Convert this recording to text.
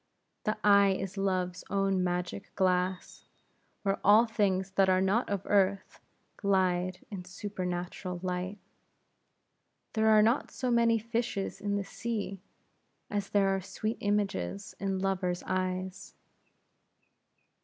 The eye is Love's own magic glass, where all things that are not of earth, glide in supernatural light. There are not so many fishes in the sea, as there are sweet images in lovers' eyes.